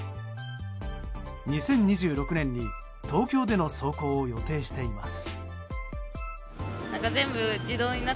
２０２６年に東京での走行を予定しています。